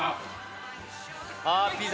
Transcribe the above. あっピザ！